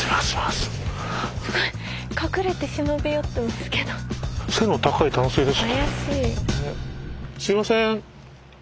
すいません。